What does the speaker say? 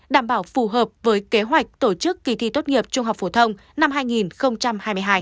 đảm bảo phù hợp với kế hoạch tổ chức kỳ thi tốt nghiệp trung học phổ thông năm hai nghìn hai mươi hai